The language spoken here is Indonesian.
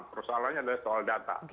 persoalannya adalah soal data